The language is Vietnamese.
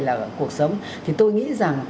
là cuộc sống thì tôi nghĩ rằng